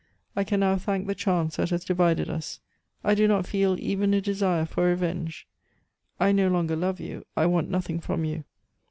I can now thank the chance that has divided us. I do not feel even a desire for revenge; I no longer love you. I want nothing from you.